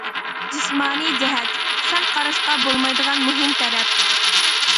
‹‹ جىسمانىي جەھەت›› سەل قاراشقا بولمايدىغان مۇھىم تەرەپ.